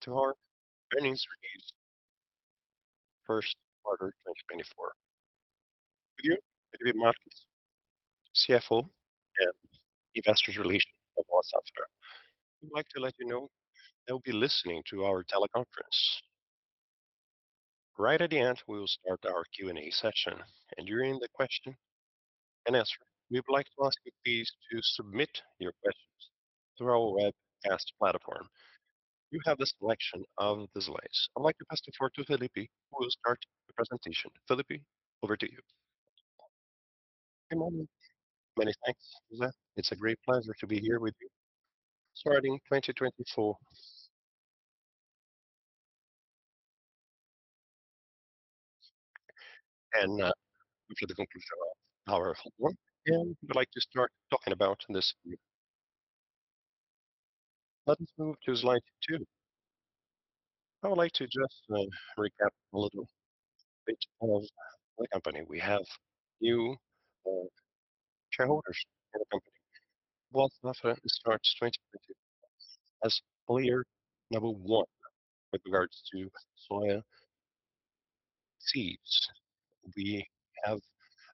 Good morning and welcome to our earnings release, first quarter 2024. With you, Felipe Marques, CFO and Investor Relations Officer at Boa Safra. We'd like to let you know they'll be listening to our teleconference. Right at the end, we will start our Q&A session, and during the question and answer, we'd like to ask you please to submit your questions through our webcast platform. You have the selection of the slides. I'd like to pass the floor to Felipe, who will start the presentation. Felipe, over to you. Good morning. Many thanks, José. It's a great pleasure to be here with you. Starting 2024 and, after the conclusion of our homework, and we'd like to start talking about this group. Let us move to slide two. I would like to just recap a little bit of the company. We have new shareholders in the company. Boa Safra starts 2024 as clear number one with regards to soya seeds. We have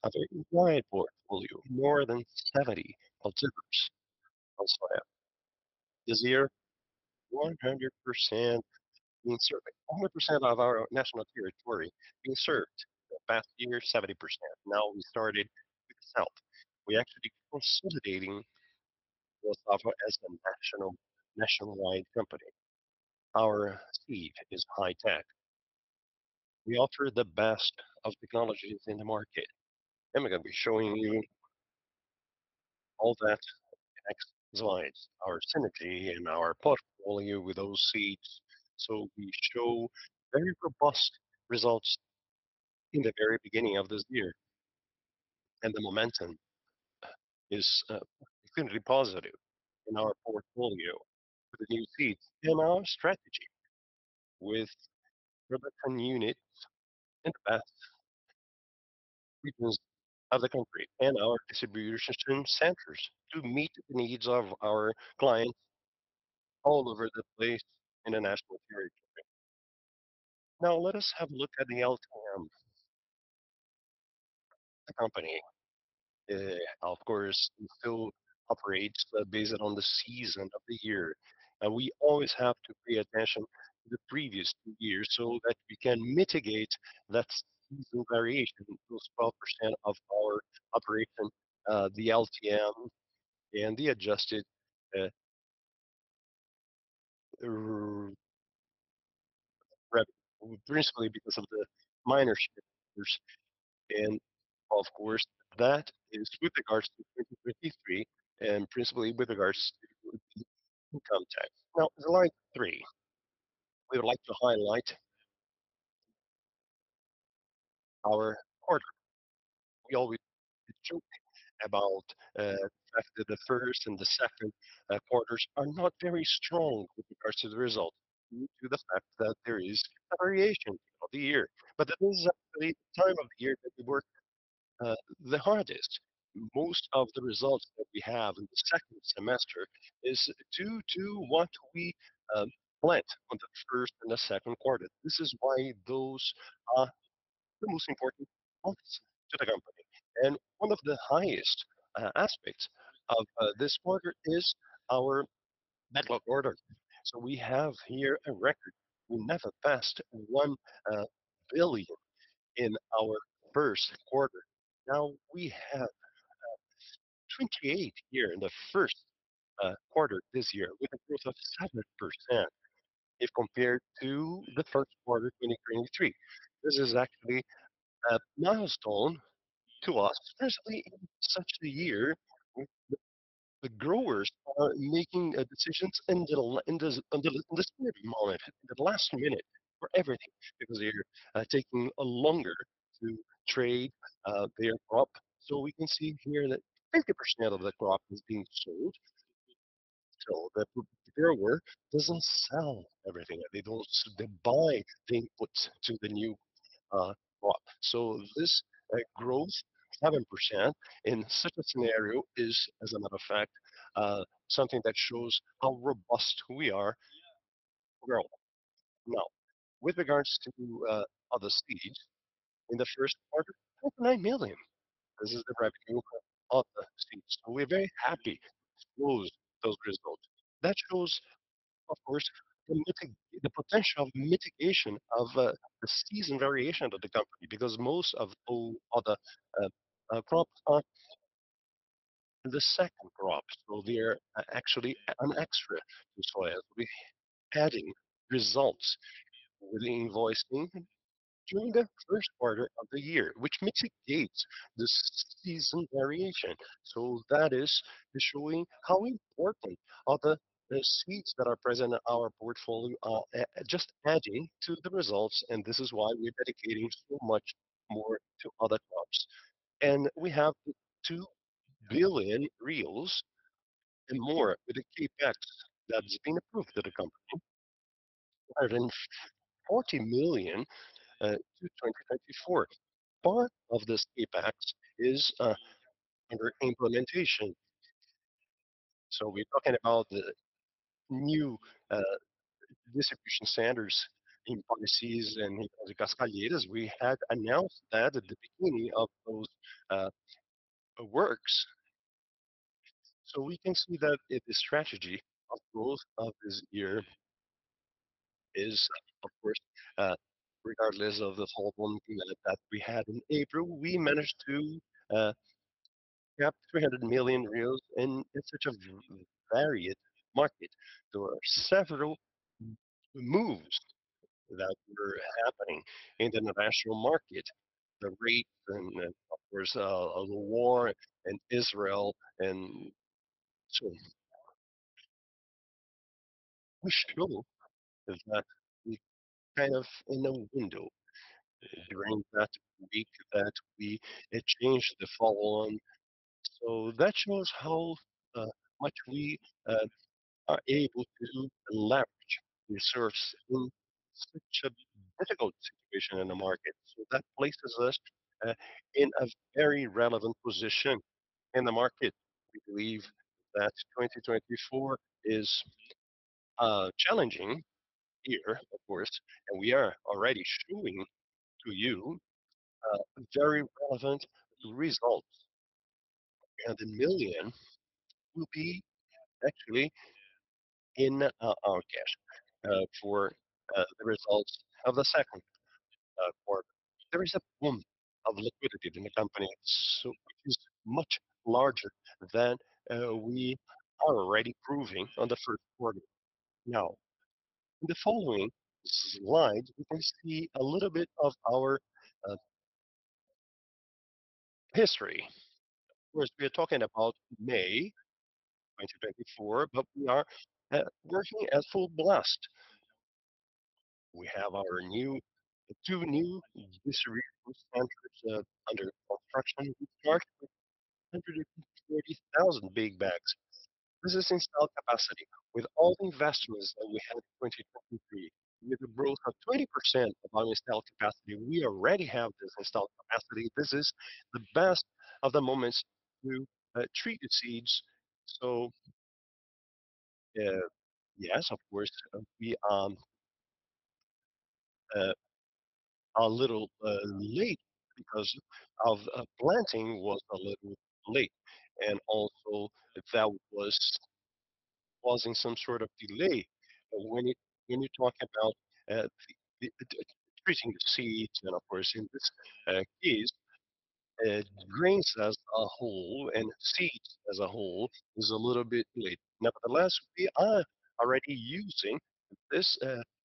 a very wide portfolio, more than 70 cultivars of soya. This year, 100% being served, 100% of our national territory being served. The past year, 70%. Now we started with the south. We're actually consolidating Boa Safra as a national, nationwide company. Our seed is high tech. We offer the best of technologies in the market. And we're going to be showing you all that in the next slides, our synergy and our portfolio with those seeds. So we show very robust results in the very beginning of this year, and the momentum is definitely positive in our portfolio with the new seeds and our strategy with the units in the best regions of the country and our distribution centers to meet the needs of our clients all over the place in the national territory. Now let us have a look at the LTM of the company. Of course, it still operates based on the season of the year, and we always have to pay attention to the previous two years so that we can mitigate that seasonal variation. Those 12% of our operation, the LTM and the adjusted revenue, principally because of the minor shareholders. And of course, that is with regards to 2023 and principally with regards to income tax. Now, in slide three, we would like to highlight our quarter. We always joke about the fact that the first and second quarters are not very strong with regards to the results due to the fact that there is a variation throughout the year, but that is actually the time of the year that we work the hardest. Most of the results that we have in the second semester is due to what we plant on the first and second quarter. This is why those are the most important components to the company. And one of the highest aspects of this quarter is our order backlog. So we have here a record. We never passed 1 billion in our first quarter. Now we have 1.28 billion here in the first quarter this year with a growth of 7% if compared to the first quarter 2023. This is actually a milestone to us, especially in such a year with the growers making decisions in the moment, in the last minute for everything because they're taking longer to trade their crop. So we can see here that 50% of the crop is being sold. So the grower doesn't sell everything. They don't buy the inputs to the new crop. So this growth 7% in such a scenario is, as a matter of fact, something that shows how robust we are overall. Now, with regards to other seeds, in the first quarter, 29 million. This is the revenue of the seeds. So we're very happy to expose those results. That shows, of course, the potential of mitigation of the season variation of the company because most of all other crops are the second crop. So they're actually an extra to soya. So we're adding results with the invoicing during the first quarter of the year, which mitigates the season variation. So that is showing how important are the seeds that are present in our portfolio, just adding to the results. And this is why we're dedicating so much more to other crops. And we have 2 billion and more with the CapEx that has been approved to the company. Rather than 40 million to 2024. Part of this CapEx is under implementation. So we're talking about the new distribution centers in Balsas and in Cascavel. We had announced that at the beginning of those works. So we can see that the strategy of growth of this year is, of course, regardless of the whole thing that we had in April, we managed to capture 300 million in such a varied market. There are several moves that were happening in the international market, the rates and, of course, the war in Israel and so on. We show that we kind of in a window during that week that we changed the follow-on. So that shows how much we are able to leverage resources in such a difficult situation in the market. So that places us in a very relevant position in the market. We believe that 2024 is challenging here, of course, and we are already showing to you very relevant results. And 1 million will be actually in our cash for the results of the second quarter. There is a boom of liquidity in the company, which is much larger than we are already proving on the first quarter. Now, in the following slide, we can see a little bit of our history. Of course, we are talking about May 2024, but we are working at full blast. We have our new two new centers under construction. We started with 140,000 big bags. This is installed capacity with all the investments that we had in 2023 with a growth of 20% of our installed capacity. We already have this installed capacity. This is the best of the moments to treat the seeds. So, yes, of course, we are a little late because planting was a little late and also that was causing some sort of delay. But when you when you talk about treating the seeds and, of course, in this case, grains as a whole and seeds as a whole is a little bit late. Nevertheless, we are already using this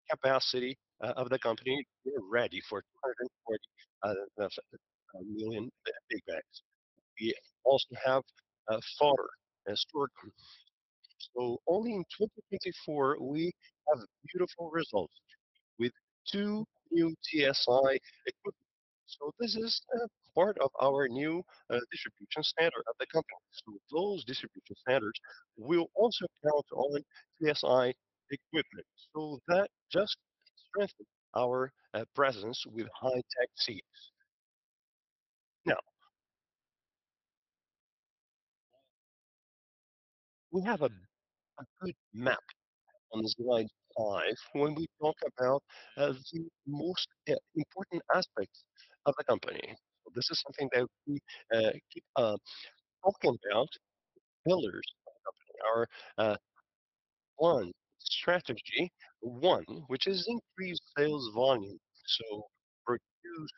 capacity of the company. We're ready for 240 million big bags. We also have forage stored. So only in 2024, we have beautiful results with two new TSI equipment. This is part of our new distribution standard of the company. So those distribution standards will also count on TSI equipment so that just strengthens our presence with high tech seeds. Now, we have a good map on slide five when we talk about the most important aspects of the company. This is something that we keep talking about. Pillars of the company are one strategy, one which is increased sales volume. So produce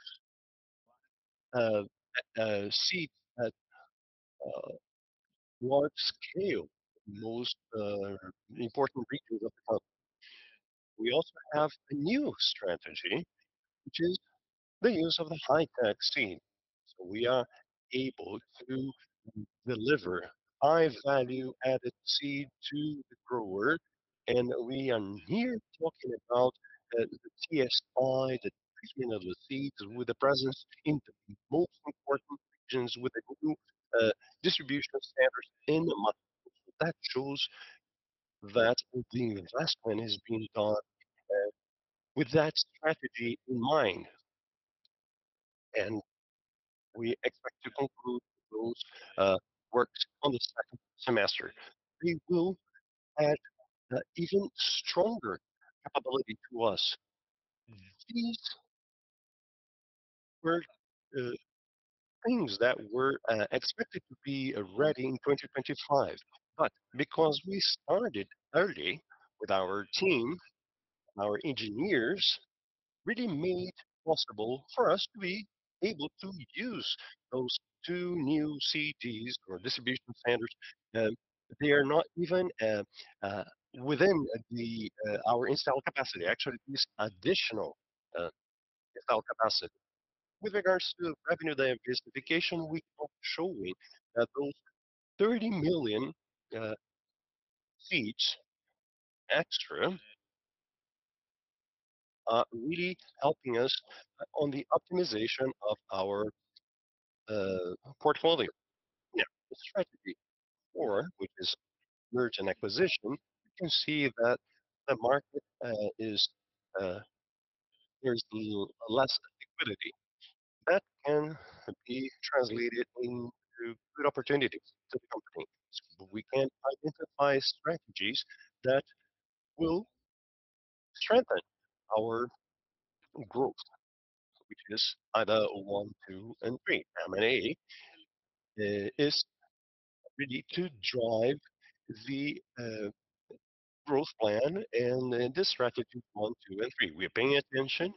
seeds at large scale in most important regions of the country. We also have a new strategy, which is the use of the high tech seed. So we are able to deliver high value-added seed to the grower, and we are here talking about the TSI, the treatment of the seeds with the presence in the most important regions with a new distribution centers in the market. So that shows that the investment is being done with that strategy in mind. And we expect to conclude those works on the second semester. We will add even stronger capability to us. These were things that were expected to be ready in 2025, but because we started early with our team and our engineers, it really made possible for us to be able to use those two new DCs or distribution centers. They are not even within our installed capacity. Actually, it is additional installed capacity. With regards to revenue diversification, we are showing that those 30 million seeds extra are really helping us on the optimization of our portfolio. Now, the strategy four, which is mergers and acquisitions, you can see that the market is, there's less liquidity that can be translated into good opportunities to the company. So we can identify strategies that will strengthen our growth, which is either one, two, and three. M&A is ready to drive the growth plan. And in this strategy one, two, and three, we are paying attention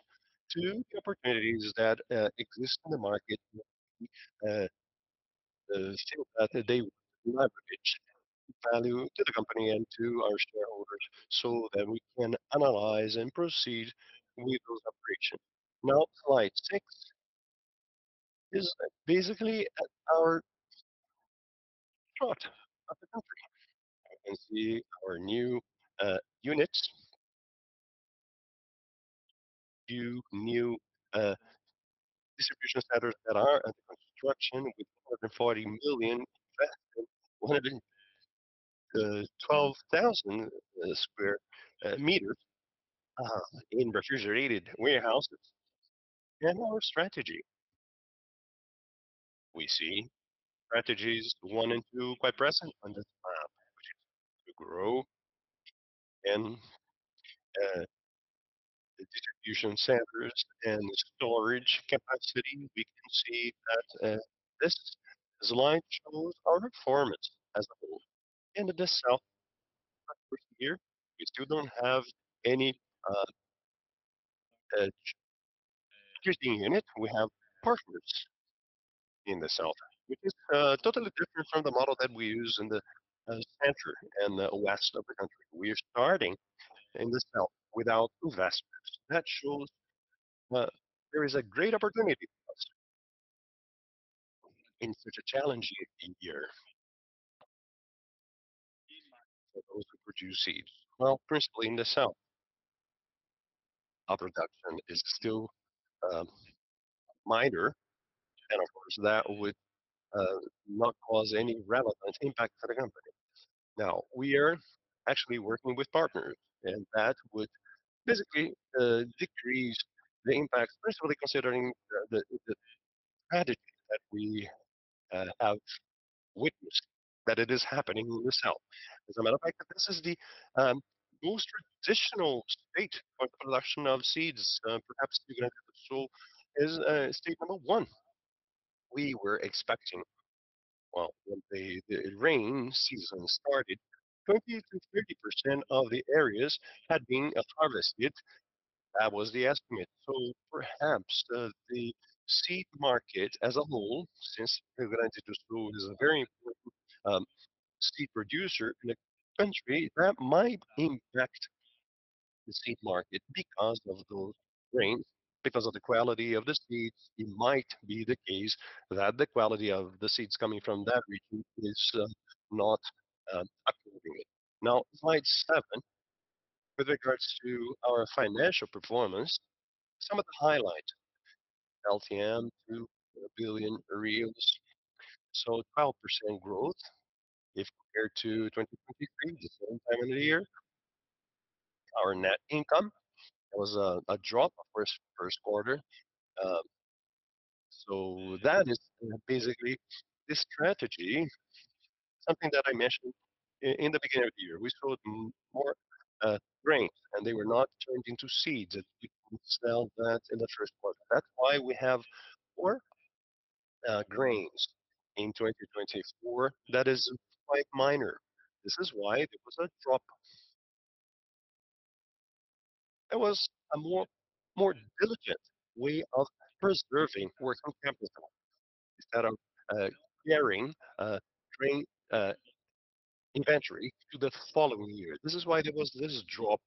to the opportunities that exist in the market, think that they would leverage value to the company and to our shareholders so that we can analyze and proceed with those operations. Now, slide six is basically our thought of the country. You can see our new units, new distribution centers that are under construction with 140 million invested, 112,000 sq m in refrigerated warehouses. Our strategy, we see strategies one and two quite present on the map, which is to grow distribution centers and storage capacity. We can see that this slide shows our performance as a whole in the south. Of course, here we still don't have any industrial unit. We have partners in the south, which is totally different from the model that we use in the center and the west of the country. We are starting in the south without inventory. That shows there is a great opportunity for us in such a challenging year for those who produce seeds. Well, principally in the south, our production is still minor. Of course, that would not cause any relevant impact for the company. Now, we are actually working with partners, and that would basically decrease the impact, principally considering the strategy that we have witnessed that it is happening in the south. As a matter of fact, this is the most traditional state for the production of seeds. Perhaps Rio Grande do Sul is state number one. We were expecting, well, when the rain season started, 20%-30% of the areas had been harvested. That was the estimate. So perhaps, the seed market as a whole, since Rio Grande do Sul is a very important seed producer in the country that might impact the seed market because of those rains, because of the quality of the seeds. It might be the case that the quality of the seeds coming from that region is not upholding it. Now, slide seven, with regards to our financial performance, some of the highlights. LTM to 1 billion. So 12% growth if compared to 2023, the same time of the year. Our net income, there was a drop, of course, first quarter. So that is basically this strategy, something that I mentioned in the beginning of the year. We sold more grains, and they were not turned into seeds that we could sell that in the first quarter. That's why we have more grains in 2024. That is quite minor. This is why there was a drop. There was a more diligent way of preserving working capital instead of carrying grain inventory to the following year. This is why there was this drop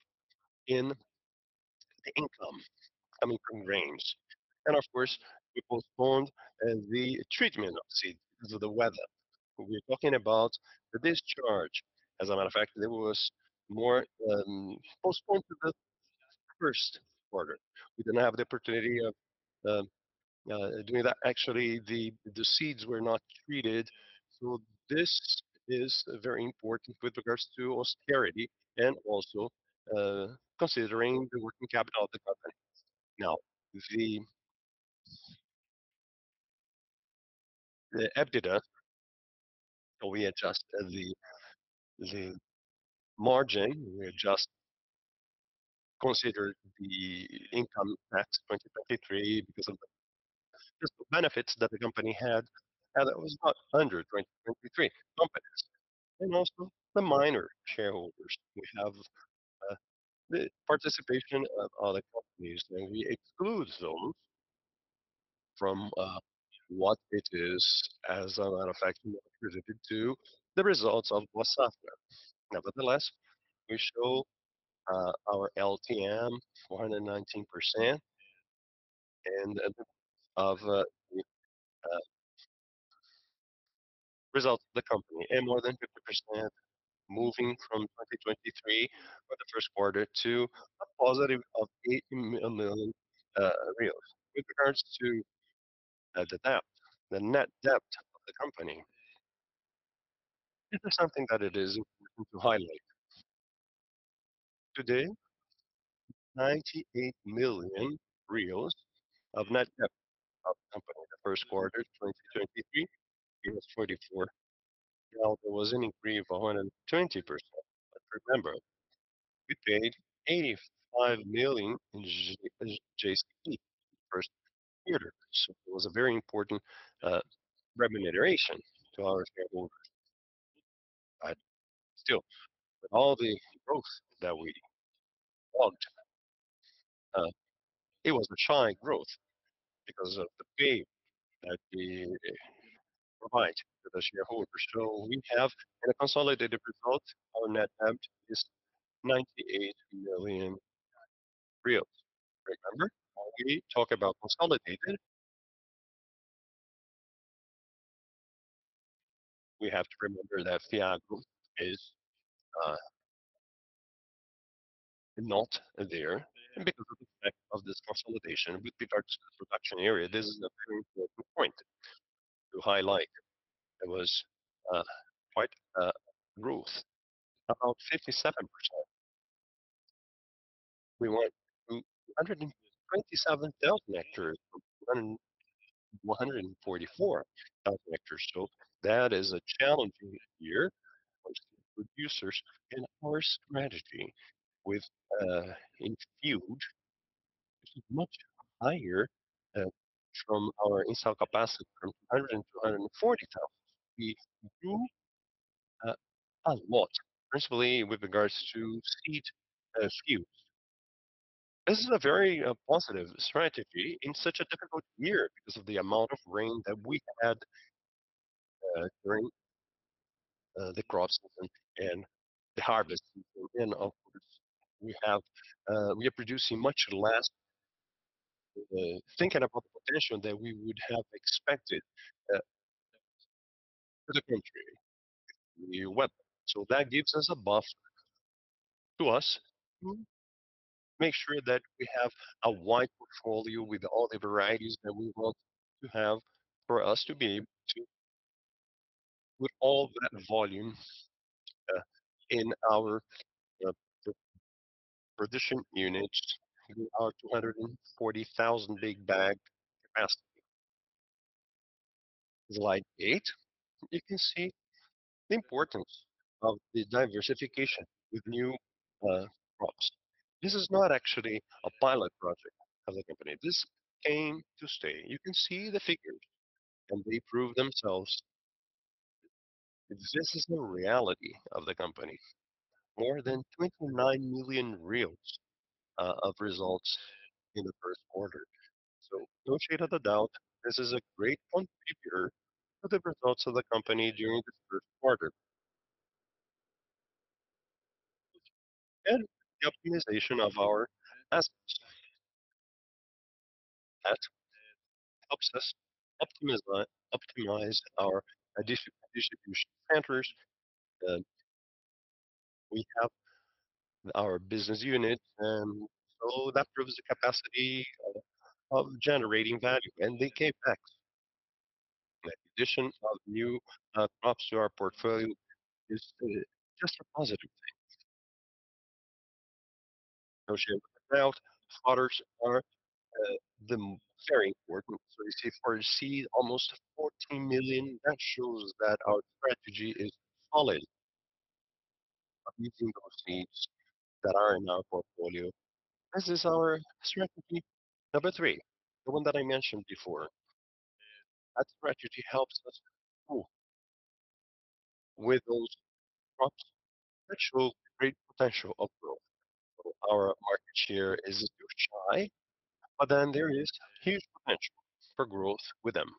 in the income coming from grains. And of course, we postponed the treatment of seeds because of the weather. We're talking about the discharge. As a matter of fact, there was more postponed to the first quarter. We didn't have the opportunity of doing that. Actually, the seeds were not treated. So this is very important with regards to austerity and also considering the working capital of the company. Now, the EBITDA, so we adjust the margin. We adjust, consider the income tax 2023 because of the benefits that the company had. And it was not 100% 2023 OpEx. Companies and also the minor shareholders. We have the participation of other companies, and we exclude those from what it is, as a matter of fact, related to the results of Boa Safra. Nevertheless, we show our LTM 419% and the results of the company and more than 50% moving from 2023 for the first quarter to a positive of 80 million reais. With regards to the debt, the net debt of the company, this is something that it is important to highlight. Today, BRL 98 million of net debt of the company. The first quarter 2023, it was 44 million. Now, there was an increase of 120%. But remember, we paid 85 million in JCP the first quarter. So it was a very important remuneration to our shareholders. But still, with all the growth that we logged, it was a shy growth because of the pay that we provide to the shareholders. So we have in a consolidated result, our net debt is 98 million reais. Remember, when we talk about consolidated, we have to remember that Fiagro is not there. And because of the fact of this consolidation with regards to the production area, this is a very important point to highlight. There was quite growth about 57%. We went to 227,000 hectares from 144,000 hectares. So that is a challenging year for producers. In our strategy with utilization, which is much higher from our installed capacity to 200,000 from 140,000, we grew a lot, principally with regards to seed sales. This is a very positive strategy in such a difficult year because of the amount of rain that we had during the crop season and the harvest season. And of course, we are producing much less, thinking about the potential that we would have expected for the country. We have one. So that gives us a buffer to us to make sure that we have a wide portfolio with all the varieties that we want to have for us to be able to put all that volume in our production units, our 240,000 big bag capacity. Slide eight, you can see the importance of the diversification with new crops. This is not actually a pilot project of the company. This came to stay. You can see the figures, and they prove themselves. This is the reality of the company. More than 29 million of results in the first quarter. So no shadow of a doubt, this is a great contributor to the results of the company during the first quarter and the optimization of our assets. That helps us optimize our distribution centers. We have our business unit, and so that proves the capacity of generating value. The KPIs, the addition of new crops to our portfolio is just a positive thing. No shadow of a doubt, the quarters are the very important. So you see for seed almost 14 million. That shows that our strategy is solid. Using those seeds that are in our portfolio, this is our strategy number three, the one that I mentioned before. That strategy helps us move with those crops that show great potential of growth. So our market share isn't too shy, but then there is huge potential for growth with them.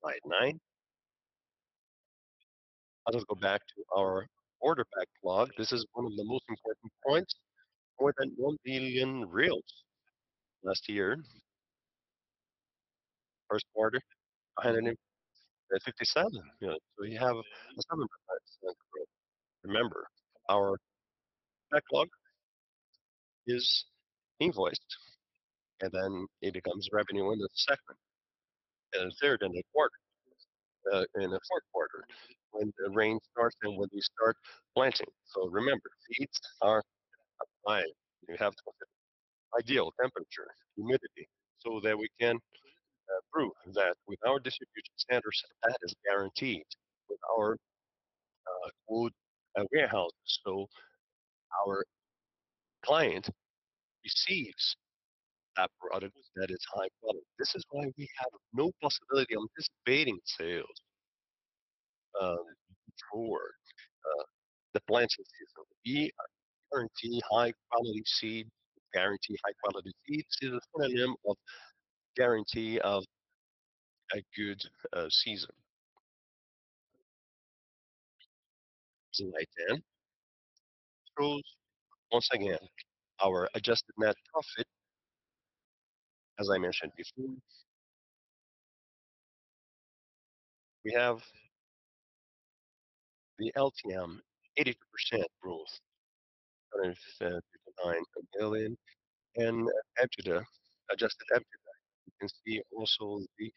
slide nine. I'll just go back to our order backlog. This is one of the most important points. More than 1 billion last year, first quarter 157 million. Yeah. So you have a 7% growth. Remember, our backlog is invoiced, and then it becomes revenue in the second and third and the quarter in the fourth quarter when the rain starts and when we start planting. So remember, seeds are applied. You have to have ideal temperature, humidity, so that we can prove that with our distribution standards that is guaranteed with our good warehouses. So our client receives that product that is high quality. This is why we have no possibility of anticipating sales for the planting season. We guarantee high-quality seeds. We guarantee high-quality seeds. This is the synonym of guarantee of a good season. Slide 10 shows once again our adjusted net profit. As I mentioned before, we have the LTM 82% growth, 159 million, and EBITDA, adjusted EBITDA. You can see also the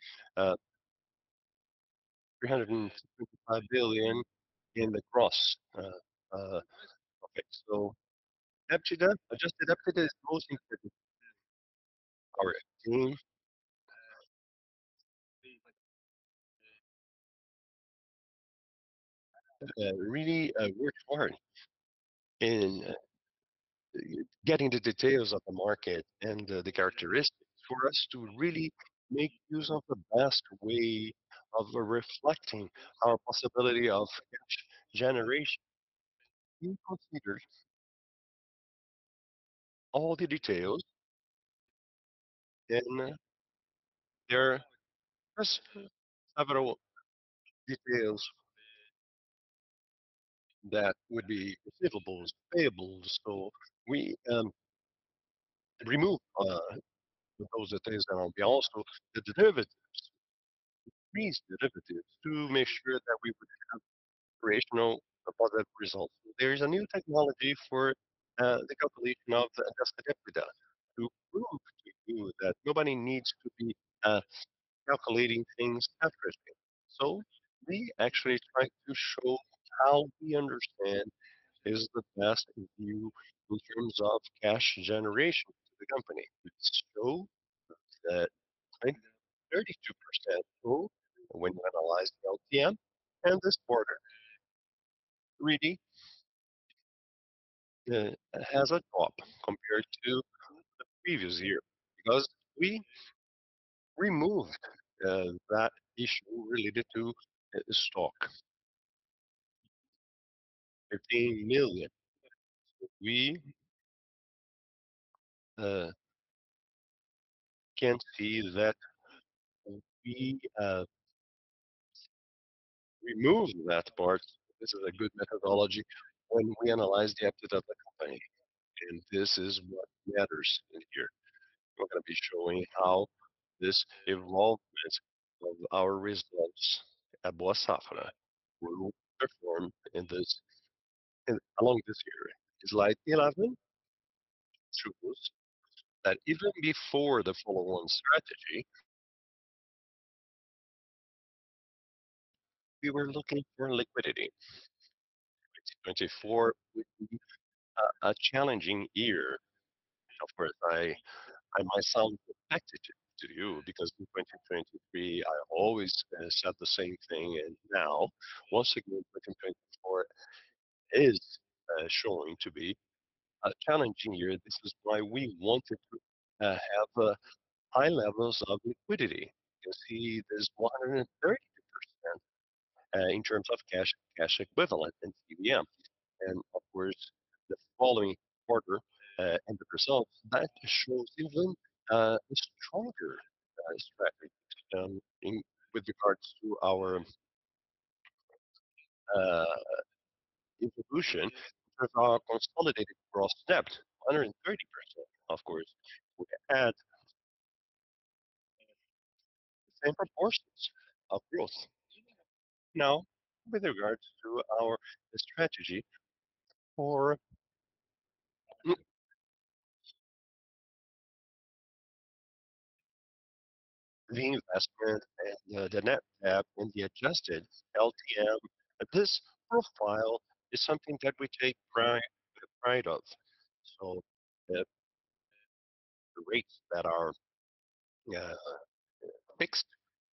325 billion in the gross profit. So EBITDA, adjusted EBITDA is most important to our team. Really, we're smart in getting the details of the market and the characteristics for us to really make use of the best way of reflecting our possibility of cash generation. We consider all the details in their several details that would be receivables, payables. So we remove those details that are on balance, so the derivatives increased derivatives to make sure that we would have operational positive results. There is a new technology for the calculation of the adjusted EBITDA to prove to you that nobody needs to be calculating things after things. So we actually try to show how we understand is the best view in terms of cash generation to the company. We show that 32% growth when you analyze the LTM and this quarter. Q3 has a drop compared to the previous year because we removed that issue related to stock, 15 million. We can see that we remove that part. This is a good methodology when we analyze the EBITDA of the company. And this is what matters in here. We're going to be showing how this evolvement of our results at Boa Safra will perform in this and along this year. Slide 11 shows that even before the follow-on strategy, we were looking for liquidity. 2024 would be a challenging year. Of course, I, I myself expected it too because in 2023, I always said the same thing. And now, once again, 2024 is showing to be a challenging year. This is why we wanted to have high levels of liquidity. You can see there's 130% in terms of cash, cash equivalent and CVM. And of course, the following quarter and the results, that shows even a stronger strategy with regards to our evolution in terms of our consolidated gross debt, 130%. Of course, we add the same proportions of growth. Now, with regards to our strategy for the investment and the net debt in the adjusted LTM. This profile is something that we take pride of. So the rates that are fixed,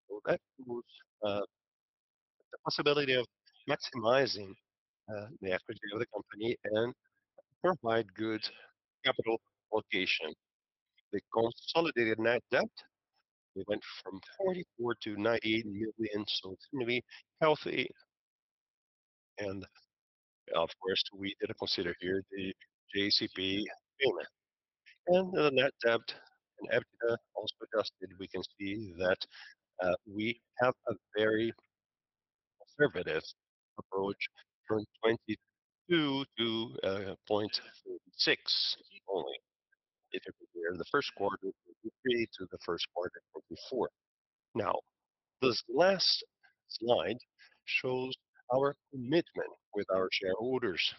so that proves the possibility of maximizing the equity of the company and provide good capital allocation. The consolidated net debt, we went from 44 million to 98 million. So it seemed to be healthy. And of course, we didn't consider here the JCP payment and the net debt and EBITDA also adjusted. We can see that we have a very conservative approach from 22 to 0.36 only if you compare the first quarter 2023 to the first quarter 2024. Now, this last slide shows our commitment with our shareholders.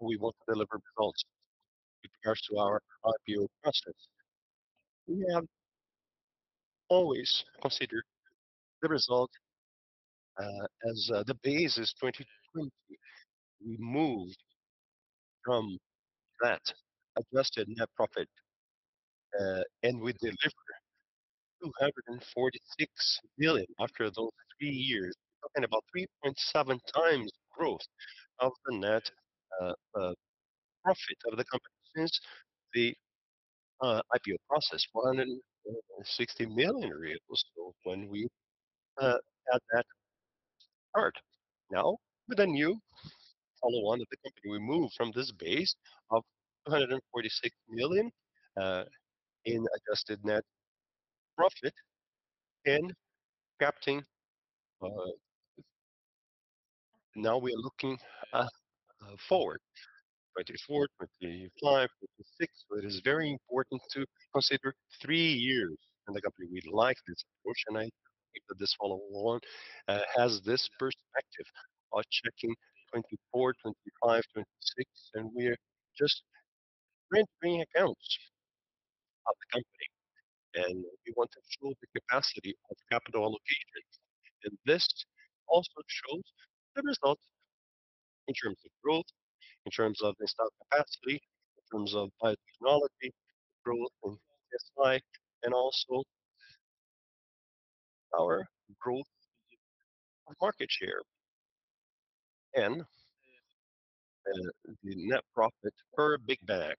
We want to deliver results with regards to our IPO process. We have always considered the result, as the base is 2020. We moved from that adjusted net profit, and we delivered 246 million after those three years. We're talking about 3.7x growth of the net profit of the company since the IPO process, BRL 160 million. So when we had that chart. Now, with a new follow-on of the company, we move from this base of 246 million in adjusted net profit and capturing, now we are looking forward 2024, 2025, 2026. So it is very important to consider three years in the company. We like this approach. And I think that this follow-on has this perspective of checking 2024, 2025, 2026. And we are just rendering accounts of the company. And we want to show the capacity of capital allocation. This also shows the results in terms of growth, in terms of installed capacity, in terms of biotechnology growth and TSI, and also our growth of market share and the net profit per big bag,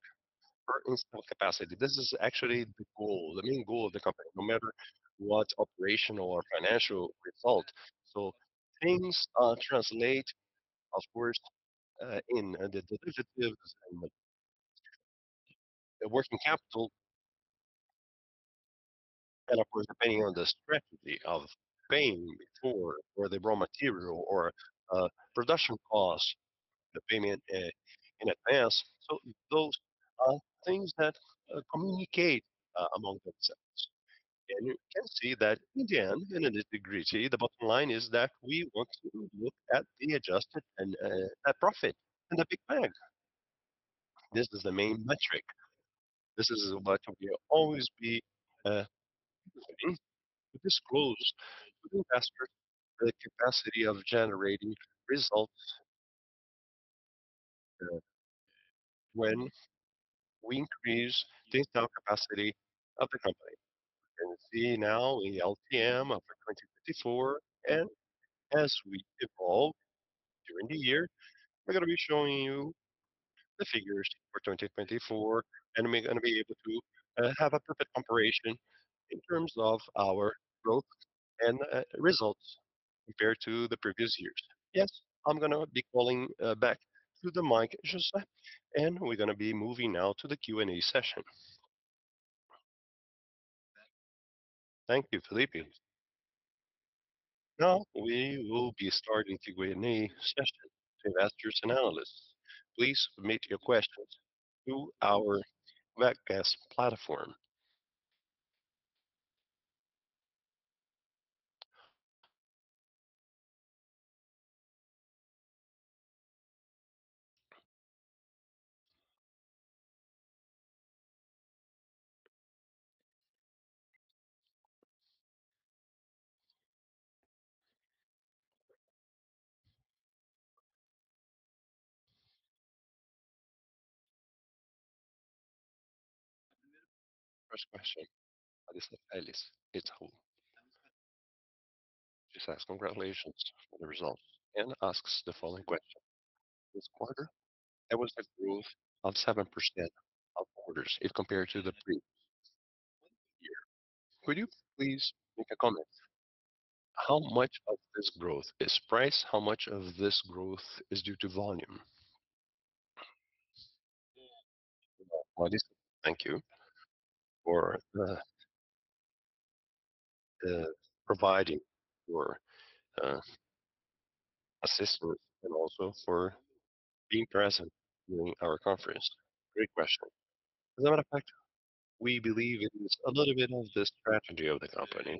per installed capacity. This is actually the goal, the main goal of the company, no matter what operational or financial result. Things translate, of course, in the derivatives and the working capital. Of course, depending on the strategy of paying before or the raw material or production costs, the payment in advance. Those are things that communicate among themselves. You can see that in the end, and in this regard, the bottom line is that we want to look at the adjusted net profit and the big bag. This is the main metric. This is what we always be using to disclose to the investors the capacity of generating results when we increase the installed capacity of the company. You can see now the LTM of 2024. As we evolve during the year, we're going to be showing you the figures for 2024. We're going to be able to have a perfect comparison in terms of our growth and results compared to the previous years. Yes, I'm going to be calling back to the mic, José. We're going to be moving now to the Q&A session. Thank you, Felipe. Now we will be starting the Q&A session for investors and analysts. Please submit your questions to our webcast platform. First question by this Ellis with whom? She says, congratulations on the results, and asks the following question: This quarter, there was a growth of 7% of orders if compared to the previous year. Could you please make a comment? How much of this growth is price? How much of this growth is due to volume? Ellis, thank you for providing your assistance and also for being present during our conference. Great question. As a matter of fact, we believe in a little bit of the strategy of the company.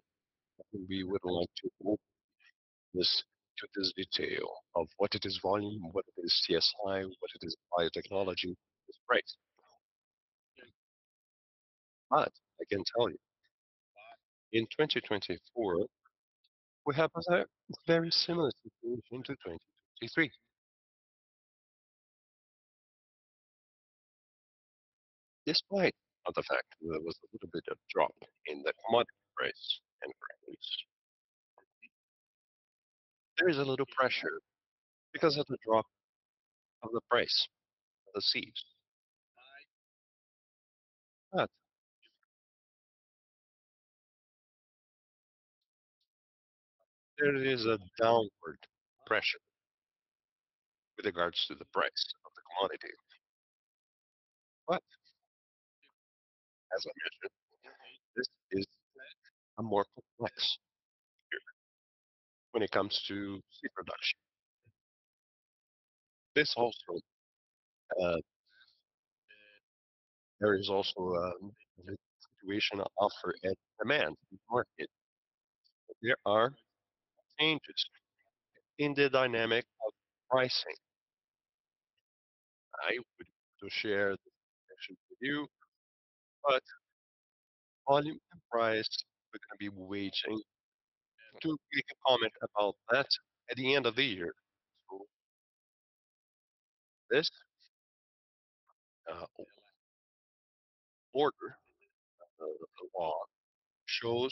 We would like to go into this detail of what it is volume, what is TSI, what it is biotechnology, is price. But I can tell you in 2024, we have a very similar situation to 2023 despite the fact that there was a little bit of drop in the commodity price and credits. There is a little pressure because of the drop of the price of the seeds. But there is a downward pressure with regards to the price of the commodity. But as I mentioned, this is a more complex year when it comes to seed production. This also, there is also a situation of supply and demand in the market. There are changes in the dynamics of pricing. I would like to share this connection with you, but volume and price, we're going to be waiting to make a comment about that at the end of the year. So this, order backlog shows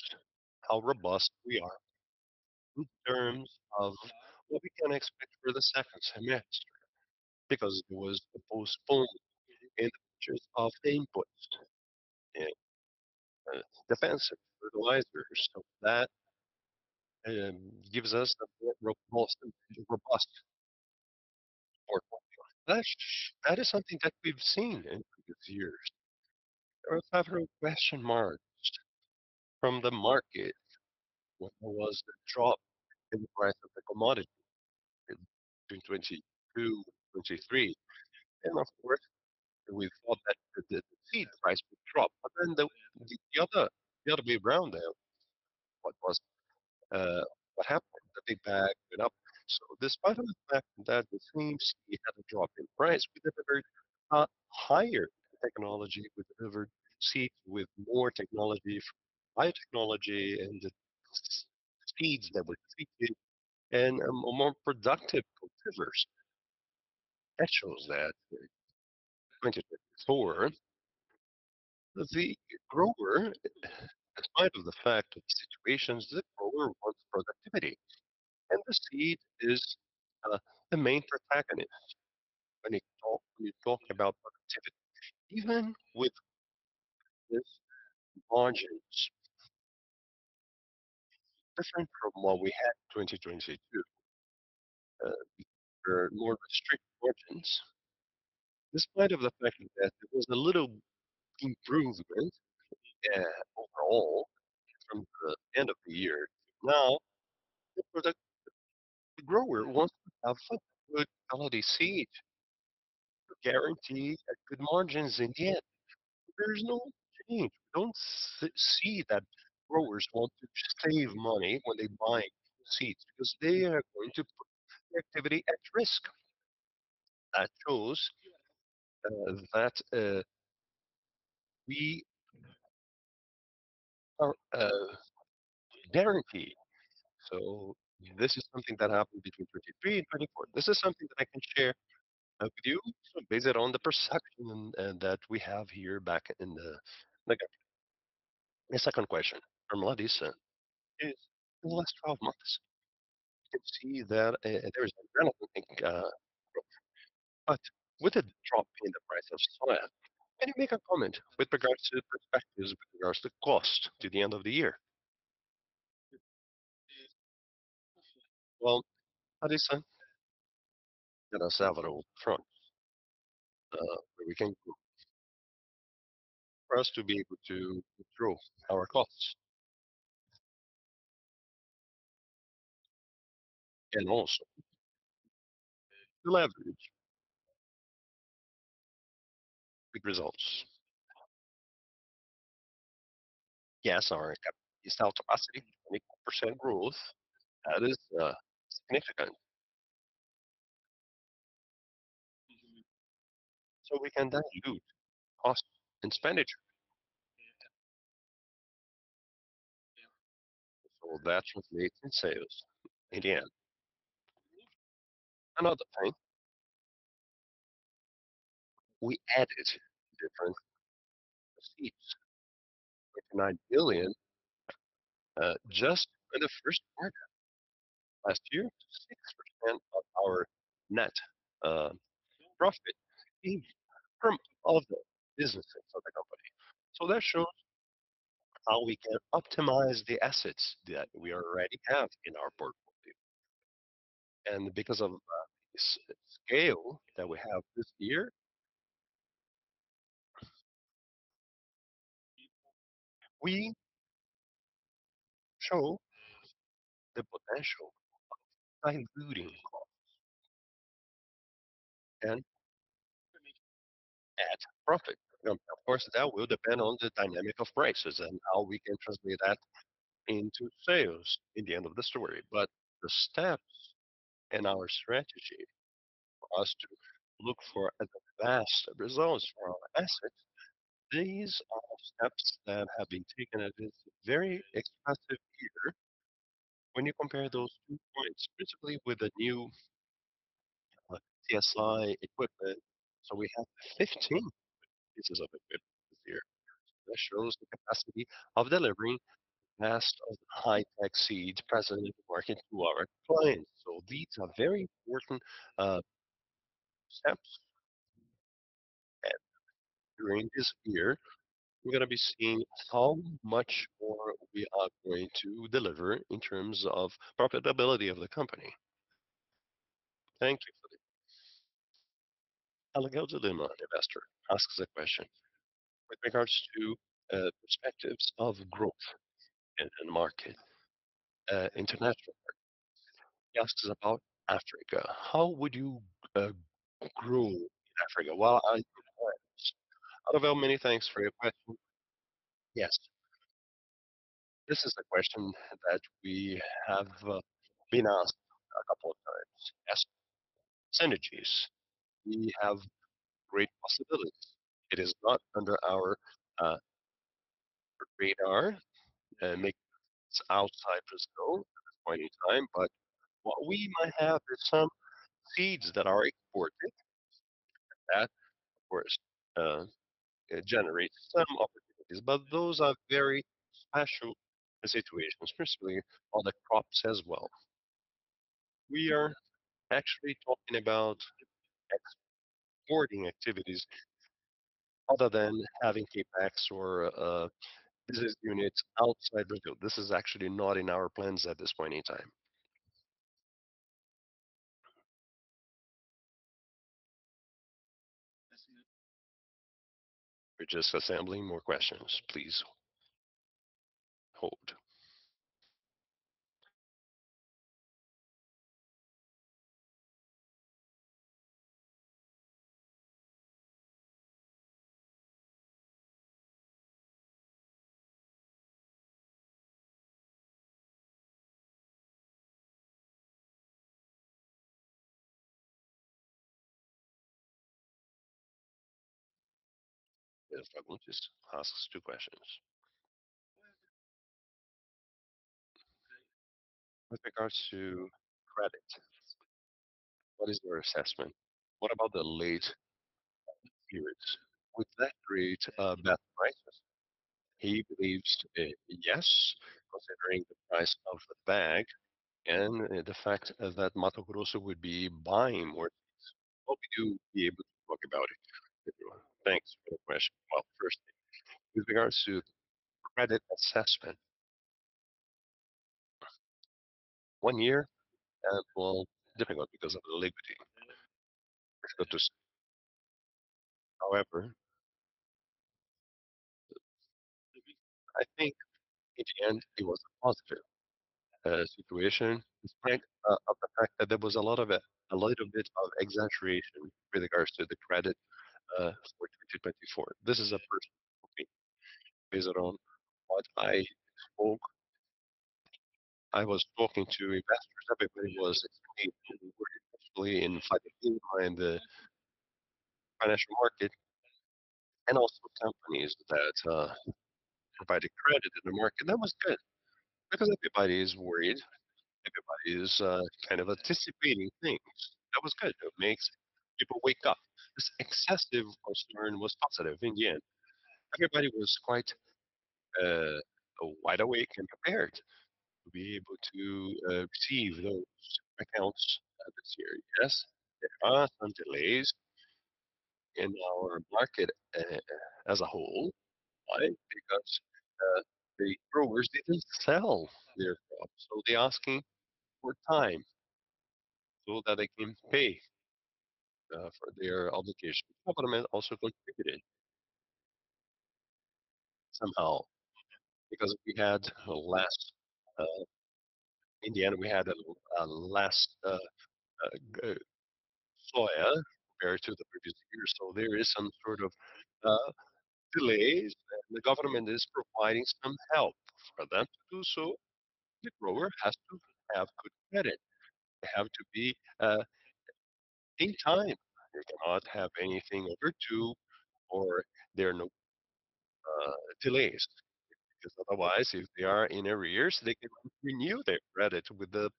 how robust we are in terms of what we can expect for the second semester because it was postponed in the purchases of the inputs and defensive fertilizers. So that gives us the more robust support volume. That is something that we've seen in previous years. There were several question marks from the market when there was the drop in the price of the commodity in 2022 and 2023. Of course, we thought that the seed price would drop. Then the other big round there, what happened? The big bag went up. Despite the fact that the same seed had a drop in price, we delivered higher technology. We delivered seeds with more technology, biotechnology, and the seeds that were treated and more productive cultivars. That shows that in 2024, the grower, in spite of the fact of the situations, the grower wants productivity. The seed is the main protagonist when you talk about productivity, even with margins different from what we had in 2022, more restricted margins. Despite the fact that there was a little improvement, overall from the end of the year to now, the productivity, the grower wants to have such a good quality seed to guarantee good margins in the end. There's no change. We don't see that growers want to save money when they buy seeds because they are going to put the activity at risk. That shows that we guarantee. So this is something that happened between 2023 and 2024. This is something that I can share with you. So base it on the perception and that we have here back in the company. The second question from Ellis is in the last 12 months, you can see that there is a relevant growth. But with the drop in the price of soya, can you make a comment with regards to perspectives with regards to cost to the end of the year? Well, Laryssa had several fronts, where we can grow for us to be able to control our costs. And also to leverage big results. Yes, our installed capacity is 24% growth. That is significant. So we can dilute cost and expenditure. So that translates in sales in the end. Another thing, we added different seeds, 49 million just in the first quarter last year, 6% of our net profit from all of the businesses of the company. So that shows how we can optimize the assets that we already have in our portfolio. And because of the scale that we have this year, we show the potential of diluting costs and at profit. Of course, that will depend on the dynamic of prices and how we can translate that into sales in the end of the story. But the steps in our strategy for us to look for the vast results for our assets, these are steps that have been taken in this very expensive year when you compare those two points, principally with the new TSI equipment. So we have 15 pieces of equipment this year. So that shows the capacity of delivering the best of the high-tech seeds present in the market to our clients. So these are very important steps. And during this year, we're going to be seeing how much more we are going to deliver in terms of profitability of the company. Thank you for the question. Alejandro Lima, an investor, asks a question with regards to perspectives of growth in the market, international market. He asks about Africa. How would you grow in Africa? Well, good catch. Alejandro, many thanks for your question. Yes. This is the question that we have been asked a couple of times. Yes. Synergies, we have great possibilities. It is not under our radar, making sense outside Brazil at this point in time. But what we might have is some seeds that are exported. And that, of course, generates some opportunities. But those are very special situations, principally all the crops as well. We are actually talking about exporting activities other than having CapEx or business units outside Brazil. This is actually not in our plans at this point in time. We're just assembling more questions. Please hold. Yes, I will just ask two questions. With regards to credit, what is your assessment? What about the late periods? Would that rate affect prices? He believes, yes, considering the price of the bag and the fact that Mato Grosso would be buying more seeds. Hope you do be able to talk about it. Thanks for the question. Well, first thing, with regards to the credit assessment, one year will be difficult because of the liquidity. It's good to see. However, I think in the end, it was a positive situation despite the fact that there was a lot of a little bit of exaggeration with regards to the credit for 2024. This is a personal opinion based on what I spoke. I was talking to investors. Everybody was explaining who we were actually in fighting behind the financial market and also companies that provided credit in the market. That was good because everybody is worried. Everybody is kind of anticipating things. That was good. It makes people wake up. This excessive concern was positive in the end. Everybody was quite wide awake and prepared to be able to receive those accounts this year. Yes, there are some delays in our market, as a whole. Why? Because the growers didn't sell their crops. So they asking for time so that they can pay for their obligations. Government also contributed somehow because we had less, in the end, we had a little less soya compared to the previous year. So there is some sort of delays. And the government is providing some help for them to do so. The grower has to have good credit. They have to be in time. They cannot have anything overdue or there are no delays because otherwise, if they are in arrears, they can renew their credit with the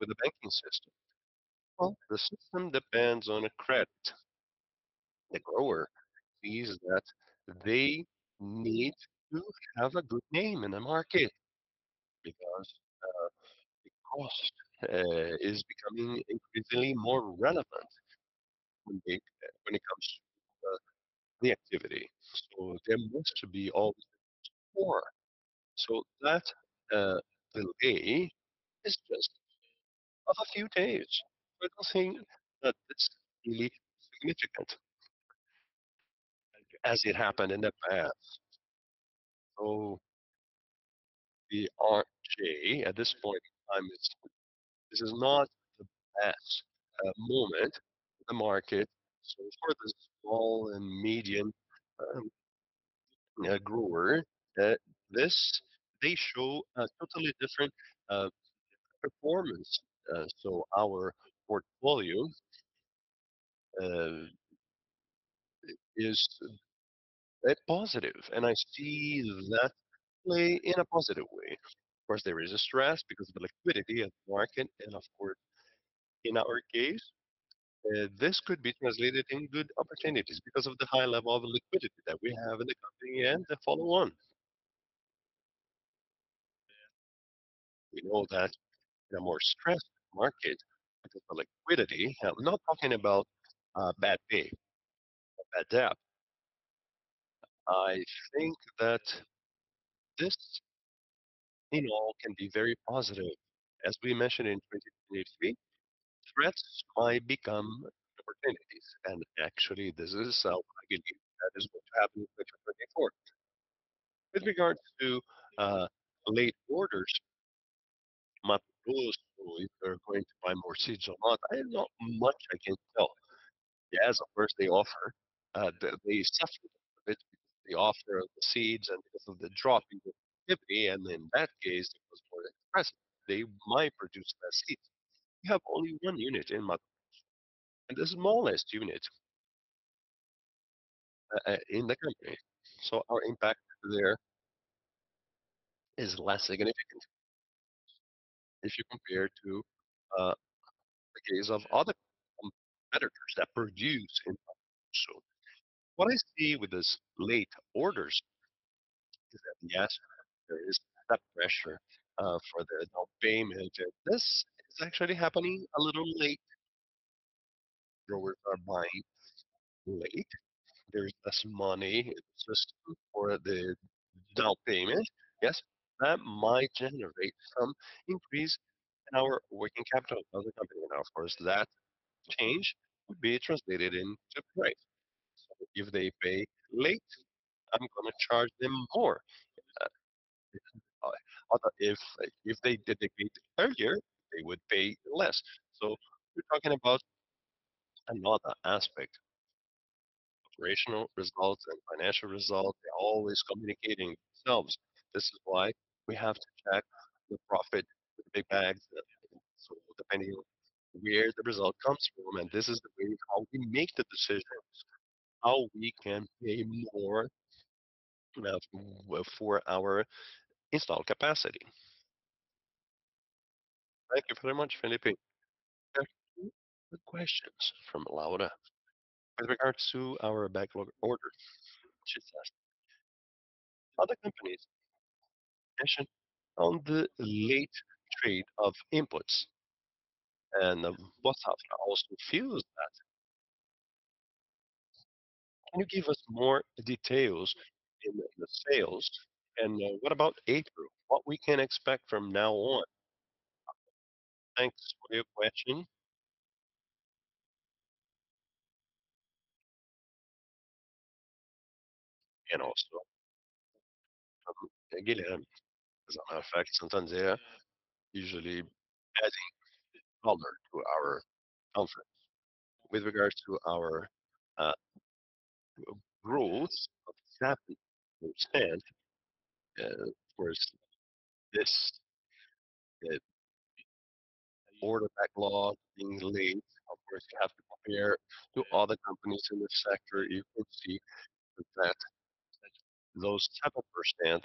banking system. Well, the system depends on a credit. The grower sees that they need to have a good name in the market because the cost is becoming increasingly more relevant when it comes to the activity. So there must be always a score. So that delay is just a few days. I don't think that this is really significant as it happened in the past. So we are okay at this point in time. This is not the best moment in the market. So for the small and medium grower, this they show a totally different performance. So our portfolio is positive. And I see that play in a positive way. Of course, there is a stress because of the liquidity of the market. And of course, in our case, this could be translated in good opportunities because of the high level of liquidity that we have in the company and the follow-on. We know that in a more stressed market because of liquidity. I'm not talking about a bad day, a bad day. I think that this, in all, can be very positive. As we mentioned in 2023, threats might become opportunities. And actually, this is how I can use that is what's happened in 2024. With regards to late orders, Mato Grosso, if they're going to buy more seeds or not, I have not much I can tell. Yes, of course, they offer. They suffered a bit because of the offer of the seeds and because of the drop in the activity. And in that case, it was more expressive. They might produce less seeds. We have only one unit in Mato Grosso and the smallest unit in the company. So our impact there is less significant if you compare to the case of other competitors that produce in Mato Grosso. What I see with these late orders is that, yes, there is that pressure for the down payment. This is actually happening a little late. Growers are buying late. There's less money in the system for the down payment. Yes, that might generate some increase in our working capital of the company. Now, of course, that change would be translated into price. So if they pay late, I'm going to charge them more. Or if they pay earlier, they would pay less. So we're talking about another aspect, operational results and financial results. They're always communicating themselves. This is why we have to check the profit with big bags. So depending on where the result comes from, and this is the way how we make the decisions, how we can pay more for our installed capacity. Thank you very much, Felipe. Two questions from Laura with regards to our order backlog. She's asking, other companies mentioned on the late trade of inputs. And the Boa Safra also refused that. Can you give us more details in the sales? And what about April? What we can expect from now on? Thanks for your question. And also, from Guilherme, as a matter of fact, Santander usually adding value to our conference. With regards to our growth, what's happening in the present, of course, this order backlog being late. Of course, you have to compare to other companies in the sector. You can see that those 7%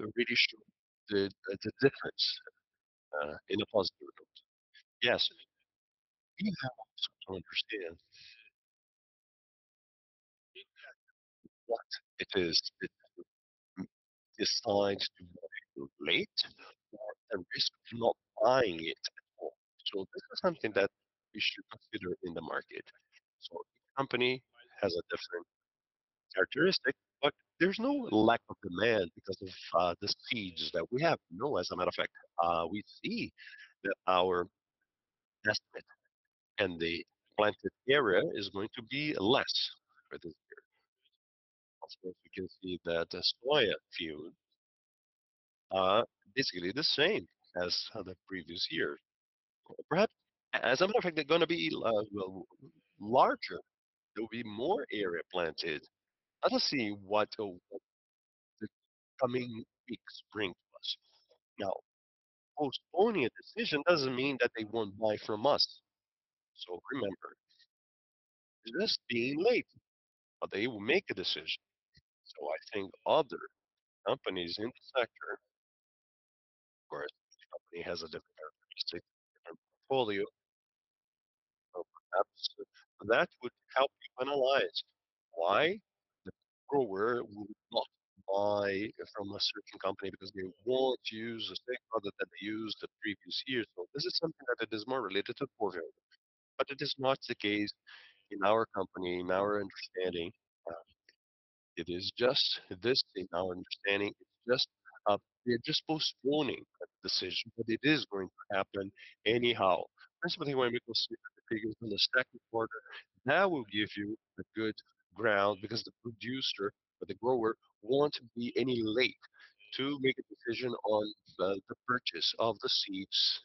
really showed the difference, in a positive note. Yes. We have also to understand what it is that decides to make late or the risk of not buying it at all. So this is something that we should consider in the market. So each company has a different characteristic, but there's no lack of demand because of the seeds that we have. No, as a matter of fact, we see that our estimate and the planted area is going to be less for this year. Of course, we can see that soya fields, basically the same as the previous year. Perhaps, as a matter of fact, they're going to be, well, larger. There'll be more area planted. Let's see what the coming weeks bring to us. Now, postponing a decision doesn't mean that they won't buy from us. So remember, this being late, but they will make a decision. So I think other companies in the sector, of course, each company has a different characteristic, a different portfolio. So perhaps that would help you analyze why the grower will not buy from a certain company because they won't use the same product that they used the previous year. So this is something that it is more related to portfolio, but it is not the case in our company, in our understanding. It is just this in our understanding. It's just, we are just postponing the decision, but it is going to happen anyhow. Principally, when we go see the figures on the second quarter, that will give you a good ground because the producer or the grower won't be too late to make a decision on the purchase of the seeds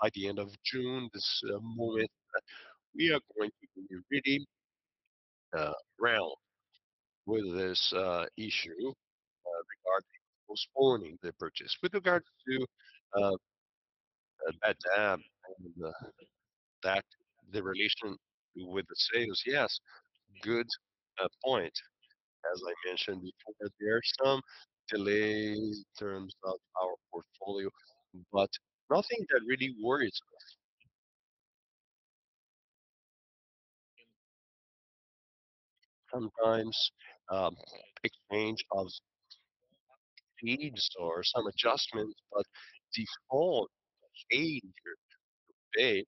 by the end of June. At this moment, we are going to be really round with this issue regarding postponing the purchase. With regards to bad debt and the relation with the sales, yes, good point. As I mentioned before, there are some delays in terms of our portfolio, but nothing that really worries us. Sometimes, exchange of seeds or some adjustments, but default change or pay.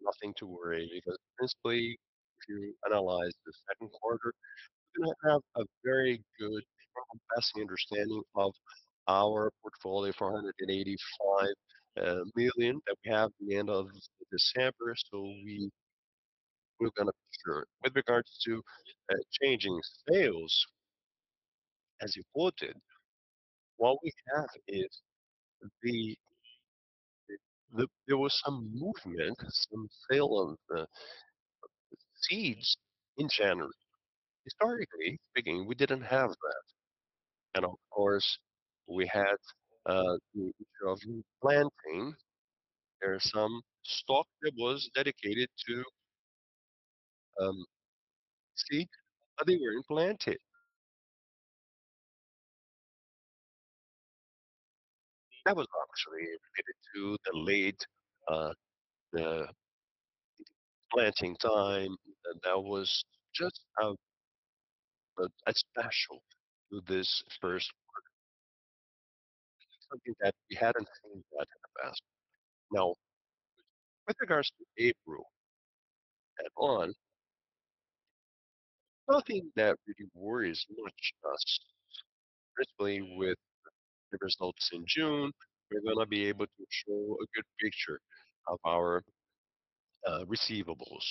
Nothing to worry because principally, if you analyze the second quarter, we're going to have a very good passing understanding of our portfolio, 485 million that we have at the end of December. So we're going to be sure. With regards to changing sales, as you quoted, what we have is there was some movement, some sale of the seeds in January. Historically speaking, we didn't have that. And of course, we had the issue of replanting. There's some stock that was dedicated to seeds, but they were replanted. That was actually related to the late planting time. That was just a special to this first quarter. Something that we hadn't seen that in the past. Now, with regards to April and on, nothing that really worries much us. Principally, with the results in June, we're going to be able to show a good picture of our receivables.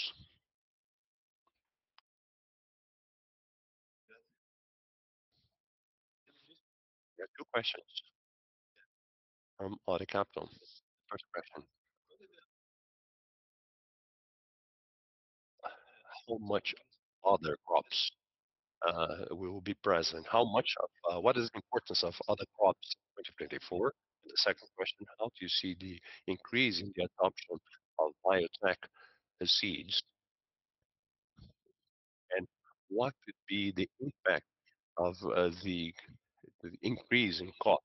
Yeah. Two questions from Audi Capital. First question, how much other crops will be present? How much of, what is the importance of other crops in 2024? And the second question, how do you see the increase in the adoption of biotech seeds? And what would be the impact of the increase in cost?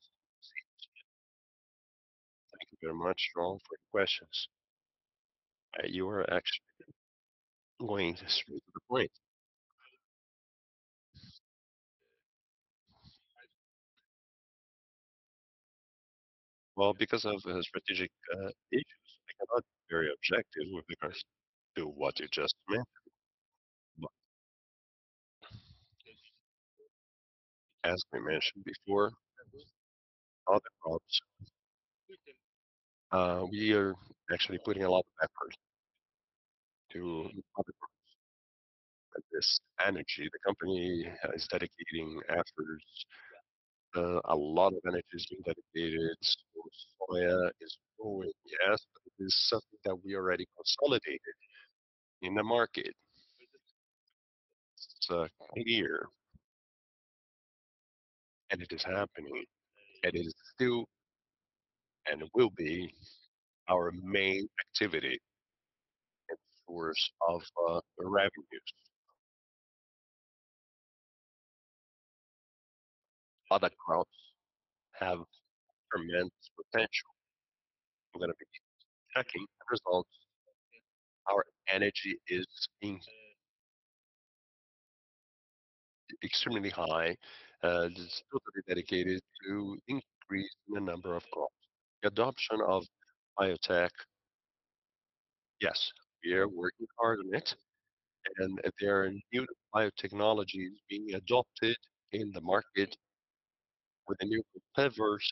Thank you very much, Raul, for your questions. You were actually going straight to the point. Well, because of strategic issues, I cannot be very objective with regards to what you just mentioned. But as we mentioned before, other crops, we are actually putting a lot of efforts to other crops. This energy, the company is dedicating efforts. A lot of energy is being dedicated to soya. It's growing. Yes, but it is something that we already consolidated in the market. It's clear. And it is happening. And it is still and will be our main activity and source of revenues. Other crops have tremendous potential. I'm going to be checking the results. Our energy is being extremely high. It's totally dedicated to increasing the number of crops. The adoption of biotech, yes, we are working hard on it. And there are new biotechnologies being adopted in the market with the new diverse